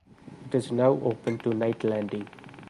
It is now open to night landing.